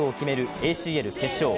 ＡＣＬ決勝。